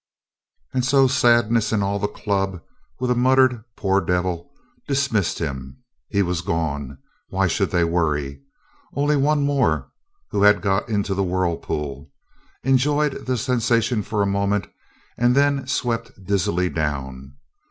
And so Sadness and all the club, with a muttered "Poor devil!" dismissed him. He was gone. Why should they worry? Only one more who had got into the whirlpool, enjoyed the sensation for a moment, and then swept dizzily down.